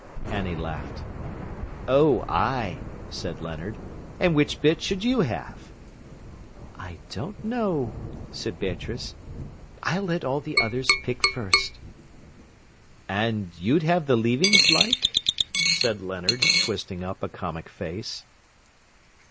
Annie laughed. "Oh, ay," said Leonard. "And which bit should you have?" "I don't know," said Beatrice. "I'll let all the others pick first." "An' you'd have the leavings, like?" said Leonard, twisting up a comic face.